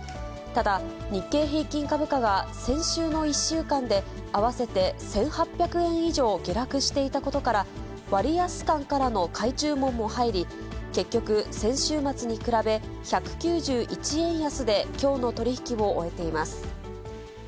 ただ、日経平均株価が先週の１週間で合わせて１８００円以上下落していたことから、割安感からの買い注文も入り、結局、先週末に比べ、１９１円安できょうの取り引きを終えています。